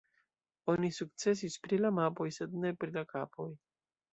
Oni sukcesis pri la mapoj sed ne pri la kapoj.